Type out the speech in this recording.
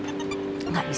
itu lagi yang dia unboxing